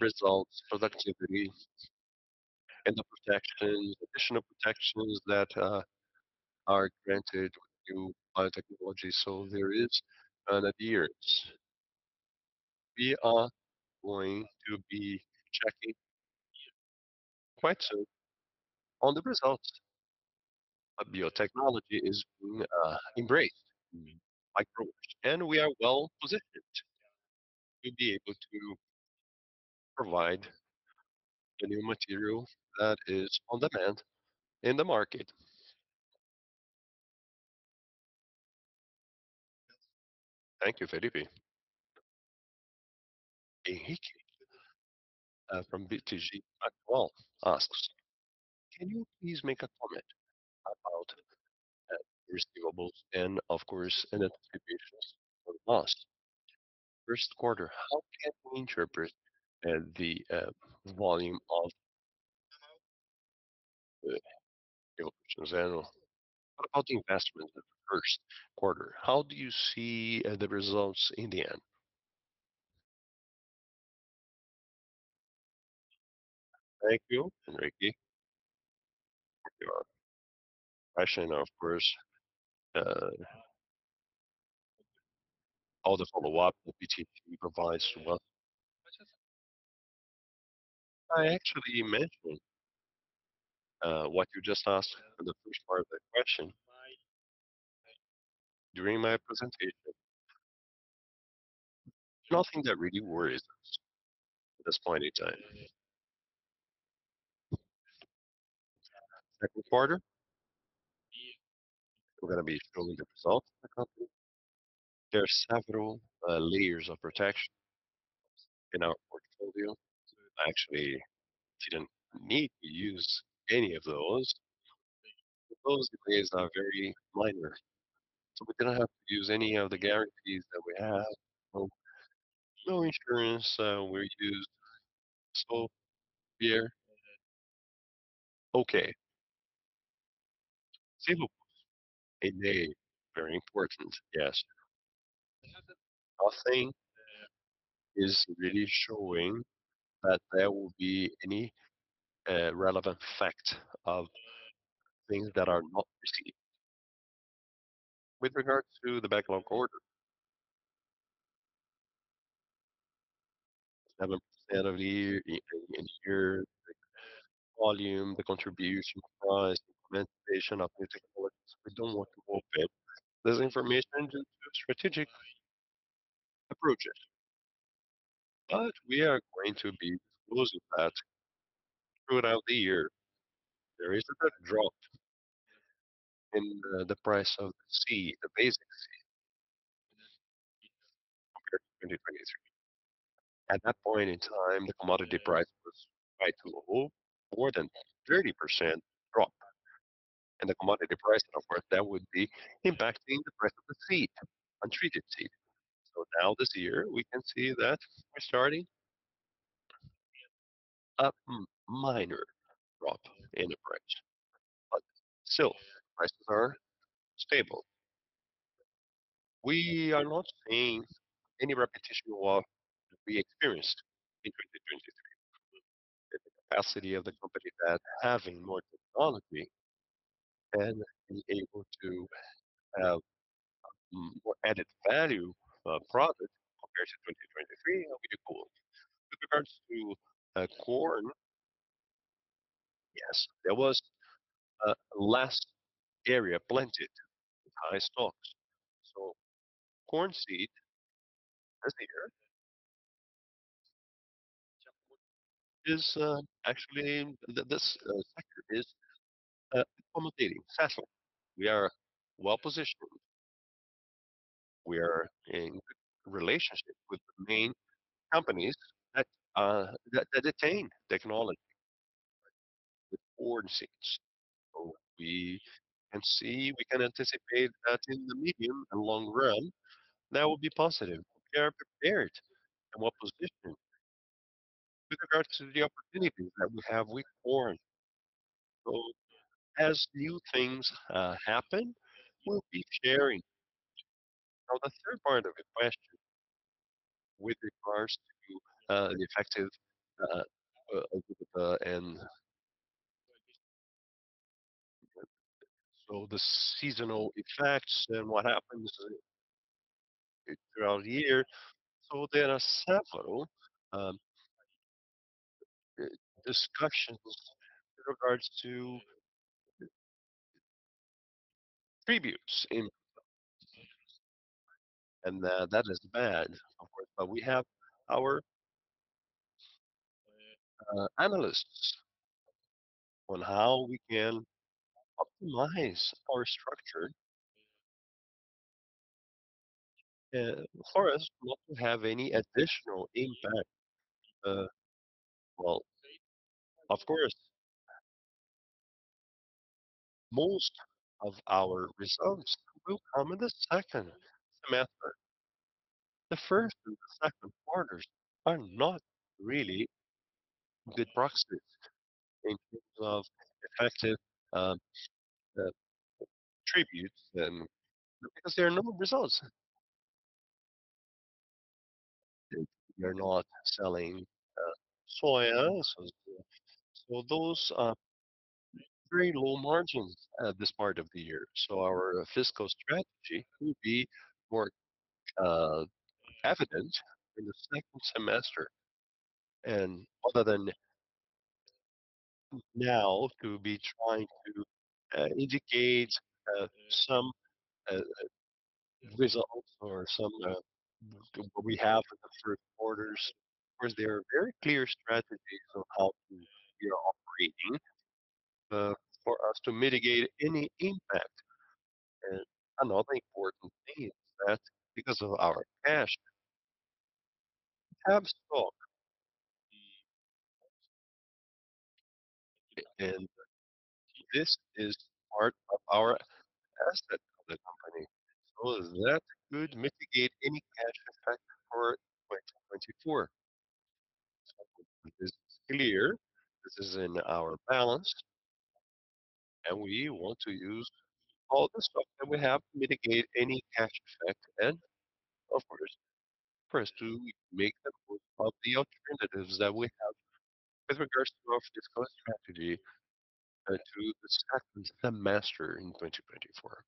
results, productivity, and the protections, additional protections that are granted with new biotechnologies. So there is an appearance. We are going to be checking quite soon on the results. A biotechnology is being embraced in microorganisms. We are well positioned to be able to provide the new material that is on demand in the market. Thank you, Felipe. From BTG, Manuel asks, can you please make a comment about receivables and, of course, the distributions for the last first quarter? How can we interpret the volume. What about the investments in the first quarter? How do you see the results in the end? Thank you, Henrique. Your question, of course, how the follow-up that BTG provides to us. I actually mentioned what you just asked in the first part of the question during my presentation. Nothing that really worries us at this point in time. Second quarter, we're going to be showing the results of the company. There are several layers of protection in our portfolio. So actually, we didn't need to use any of those. Those delays are very minor. We didn't have to use any of the guarantees that we have. No, no insurance, we used. So we are okay. Receivables in May, very important. Yes. Nothing is really showing that there will be any relevant fact of things that are not received. With regards to the order backlog, 7% year-on-year, the volume, the contribution, price, implementation of new technologies. We don't want to open this information due to strategic approaches. But we are going to be disclosing that throughout the year. There is a drop in the price of the seed, the basic seed, compared to 2023. At that point in time, the commodity price was quite low, more than 30% drop. And the commodity price, of course, that would be impacting the price of the seed, untreated seed. So now this year, we can see that we're starting a minor drop in the price. But still, prices are stable. We are not seeing any repetition of what we experienced in 2023. The capacity of the company that having more technology and be able to have more added value product compared to 2023, we do good. With regards to corn, yes, there was a last area planted with high stocks. So corn seed this year is actually this sector is accommodating, settled. We are well positioned. We are in good relationship with the main companies that that attain technology with corn seeds. So we can see, we can anticipate that in the medium and long run, that will be positive. We are prepared and well positioned with regards to the opportunities that we have with corn. So as new things happen, we'll be sharing. Now, the third part of your question with regards to the effective and so the seasonal effects and what happens throughout the year. So there are several discussions with regards to taxes in. And that is bad, of course. But we have our analysts on how we can optimize our structure for us not to have any additional impact. Well, of course, most of our results will come in the second semester. The first and the second quarters are not really good proxies in terms of effective taxes and because there are no results. We are not selling soya. So those are very low margins at this part of the year. So our fiscal strategy will be more evident in the second semester. And other than now to be trying to indicate some results or some what we have in the first quarters. Of course, there are very clear strategies on how we are operating, for us to mitigate any impact. Another important thing is that because of our cash, we have stock. And this is part of our asset of the company. So that could mitigate any cash effect for 2024. So this is clear. This is in our balance. And we want to use all the stock that we have to mitigate any cash effect. And of course, first to make the most of the alternatives that we have with regards to our fiscal strategy to the second semester in 2024.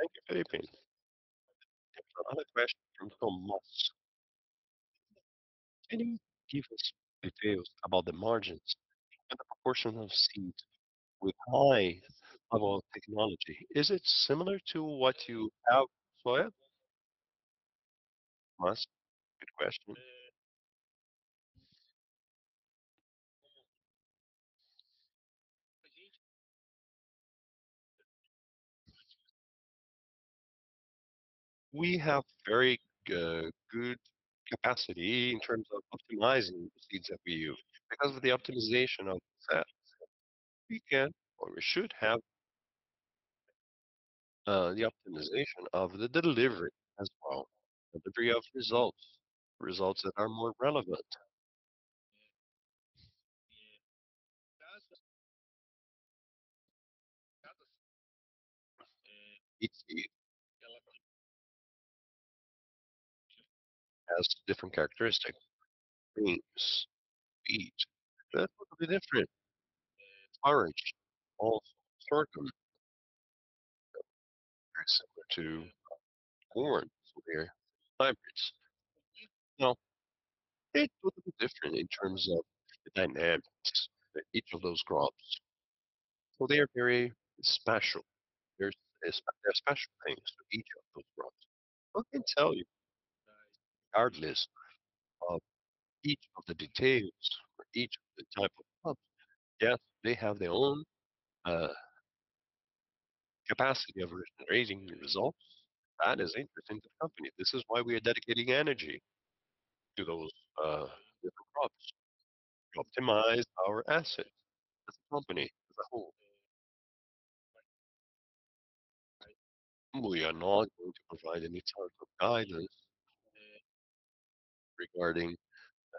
Thank you, Felipe. Another question from Tomas. Can you give us details about the margins and the proportion of seed with high level of technology? Is it similar to what you have in soya? Tomas, good question. We have very good capacity in terms of optimizing the seeds that we use. Because of the optimization of that, we can or we should have the optimization of the delivery as well, delivery of results, results that are more relevant. It has different characteristics. Beans, wheat, that would be different. Forage also, sorghum, next to corn. So they're hybrids. Now, it would be different in terms of the dynamics of each of those crops. So they are very special. There are special things to each of those crops. I can tell you, regardless of each of the details for each of the type of crops, yes, they have their own capacity of raising results. That is interesting to the company. This is why we are dedicating energy to those different crops to optimize our assets and the company as a whole. We are not going to provide any type of guidance regarding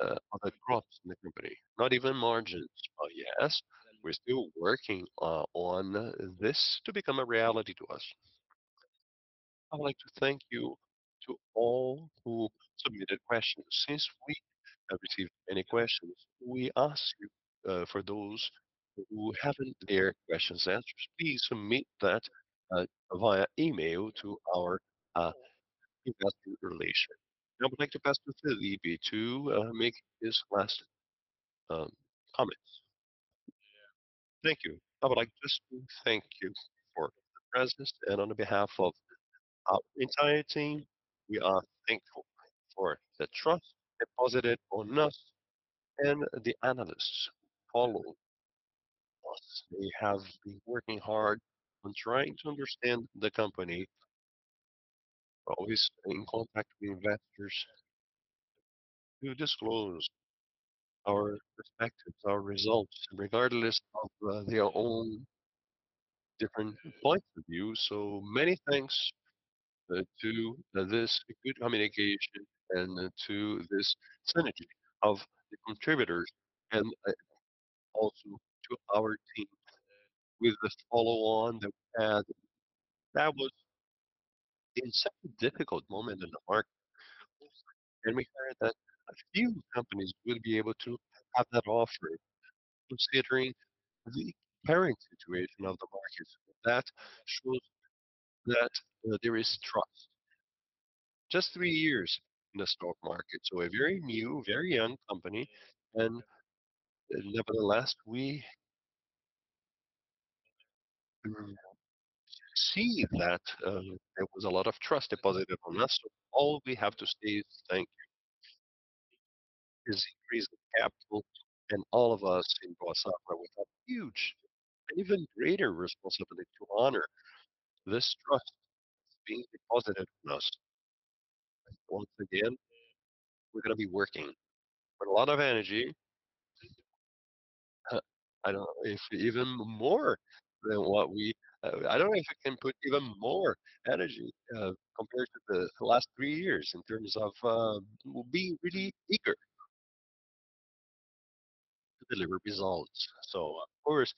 other crops in the company, not even margins. But yes, we're still working on this to become a reality to us. I would like to thank you to all who submitted questions. Since we have received many questions, we ask you, for those who haven't had their questions answered, please submit that via email to our Investor Relations. I would like to pass to Felipe to make his last comments. Thank you. I would like just to thank you for the presence. On behalf of our entire team, we are thankful for the trust deposited on us and the analysts who follow us. They have been working hard on trying to understand the company, always in contact with investors to disclose our perspectives, our results, regardless of their own different points of view. So, many thanks to this good communication and to this synergy of the contributors and also to our team with the follow-on that we had that was in such a difficult moment in the market. We heard that a few companies will be able to have that offer considering the current situation of the market. That shows that there is trust. Just three years in the stock market. A very new, very young company. Nevertheless, we see that there was a lot of trust deposited on us. All we have to say is thank you is increase the capital. All of us in Boa Safra, we have huge and even greater responsibility to honor this trust being deposited on us. Once again, we're going to be working with a lot of energy. I don't know if I can put even more energy compared to the last three years in terms of we'll be really eager to deliver results. So of course,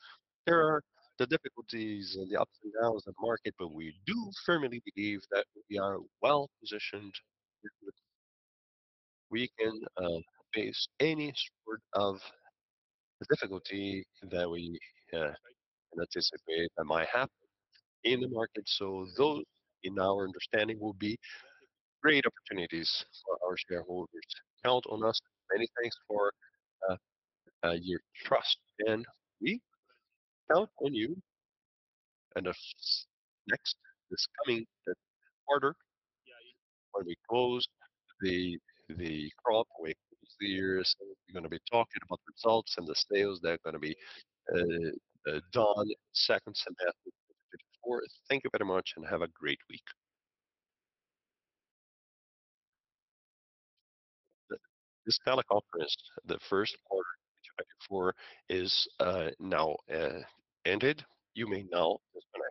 there are the difficulties and the ups and downs of the market, but we do firmly believe that we are well positioned. We can face any sort of difficulty that we anticipate that might happen in the market. So those, in our understanding, will be great opportunities for our shareholders to count on us. Many thanks for your trust. We count on you. Next, this coming quarter, when we close the crop, we're going to be talking about results and the sales that are going to be done second semester 2024. Thank you very much and have a great week. This teleconference, the first quarter of 2024, is now ended. You may now disconnect.